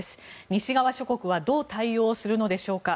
西側諸国はどう対応するのでしょうか。